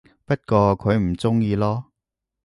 不過佢唔鍾意囉